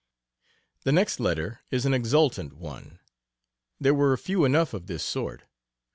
The next letter is an exultant one. There were few enough of this sort.